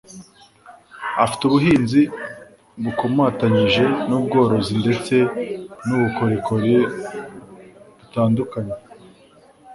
Afite ubuhinzi bukomatanyije n'ubworozi ndetse n'ubukorikori butandukanye.